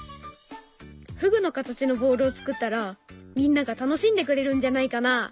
ふぐの形のボールを作ったらみんなが楽しんでくれるんじゃないかな？